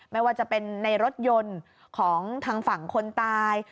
ไม่ว่าจะเป็นในรถยนต์ของทางฝั่งคนตาย